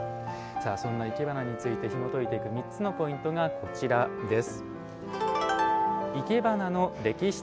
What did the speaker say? そんないけばなについてひもといていく３つのポイントがこちらです。